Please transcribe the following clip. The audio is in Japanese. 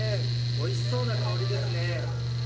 おいしそうな香りですね。